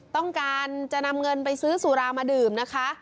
ต้องการจะนำเงินไปซื้อสุรามาดื่มนะคะ